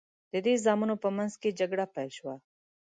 د دې زامنو په منځ کې جګړه پیل شوه.